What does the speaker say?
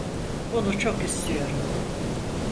Bunu çok istiyorum.